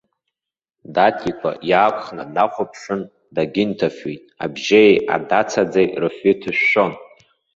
Даҭикәа иаақәхны днахәаԥшын, дагьынҭафҩит абжьеии адацаӡеи рыфҩы ҭышәшәон.